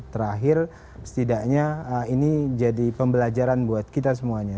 terakhir setidaknya ini jadi pembelajaran buat kita semuanya